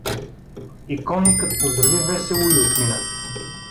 И конникът поздрави весело и отмина.